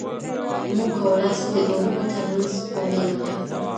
موږ کولای سو د علومو ترمنځ پولي وټاکو.